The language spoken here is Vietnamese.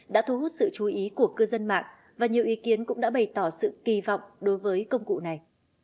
đã thu hút sự chú ý của cư dân mạng và nhiều ý kiến cũng đã bày tỏ sự kỳ vọng đối với công cụ này